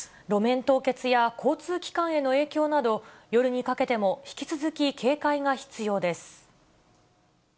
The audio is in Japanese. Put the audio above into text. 路面凍結や交通機関への影響など、夜にかけても引き続き、警戒が必要です。